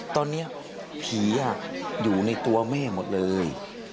ตอนนี้ผีอยู่ในตัวแม่หมดเลย